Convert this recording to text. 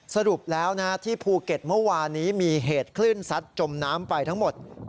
สรุปแล้วที่ภูเก็ตเมื่อวานนี้มีเหตุคลื่นซัดจมน้ำไปทั้งหมด